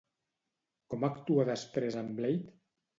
Com actua després en Blade?